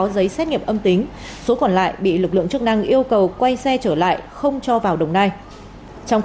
như xét nghiệm đình kỳ ngậu duyên hai mươi số lượng công nhân